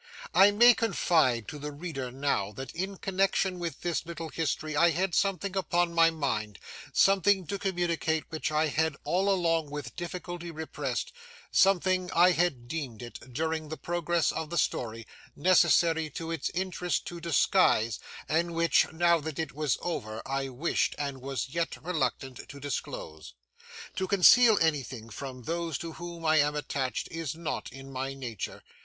I may confide to the reader now, that in connection with this little history I had something upon my mind; something to communicate which I had all along with difficulty repressed; something I had deemed it, during the progress of the story, necessary to its interest to disguise, and which, now that it was over, I wished, and was yet reluctant, to disclose. To conceal anything from those to whom I am attached, is not in my nature.